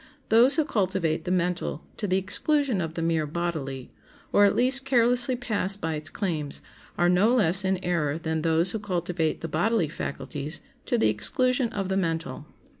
Those who cultivate the mental to the exclusion of the mere bodily, or at least carelessly pass by its claims, are no less in error than those who cultivate the bodily faculties to the exclusion of the mental.